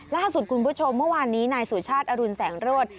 ล่าสุดคุณผู้ชมเมื่อวานนี้นายสุชาติอรุณแสงโรศ